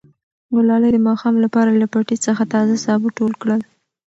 ګلالۍ د ماښام لپاره له پټي څخه تازه سابه ټول کړل.